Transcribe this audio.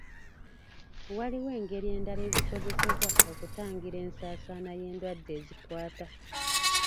Waliwo engeri endala ezikozesebwa okutangira ensaasaana y'endwadde ezikwata.